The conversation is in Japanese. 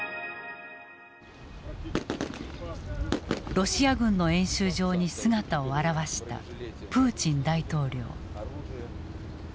ロシア軍の演習場に姿を現したプーチン大統領。